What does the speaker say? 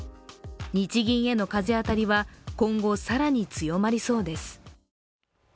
日銀への風当たりは今後更に強まりそうです。